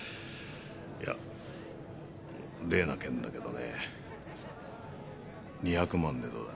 やあ例の件だけどね２００万でどうだ？